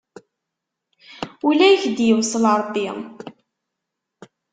Ula i ak-d-iwṣel Ṛebbi!